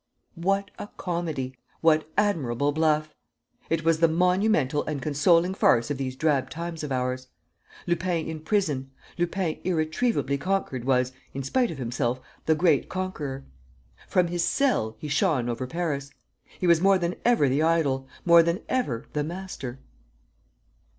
What a comedy! What admirable bluff! It was the monumental and consoling farce of these drab times of ours. Lupin in prison, Lupin irretrievably conquered was, in spite of himself, the great conqueror. From his cell he shone over Paris. He was more than ever the idol, more than ever the master.